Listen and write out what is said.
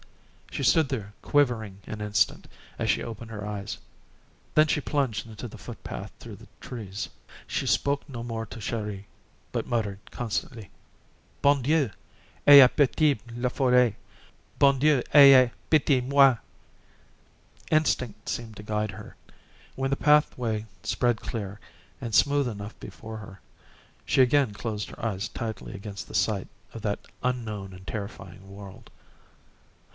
She stood there quivering an instant as she opened her eyes. Then she plunged into the footpath through the trees. She spoke no more to Chéri, but muttered constantly, "Bon Dieu, ayez pitié La Folle! Bon Dieu, ayez pitié moi!" Instinct seemed to guide her. When the pathway spread clear and smooth enough before her, she again closed her eyes tightly against the sight of that unknown and terrifying world.